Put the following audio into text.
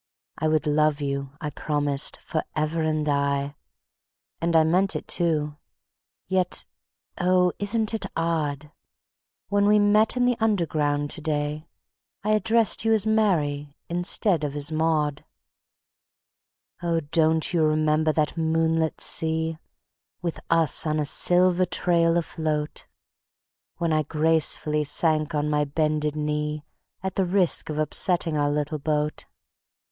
I would love you, I promised, forever and aye, And I meant it too; yet, oh, isn't it odd? When we met in the Underground to day I addressed you as Mary instead of as Maude. Oh, don't you remember that moonlit sea, With us on a silver trail afloat, When I gracefully sank on my bended knee At the risk of upsetting our little boat?